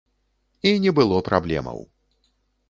І не было праблемаў!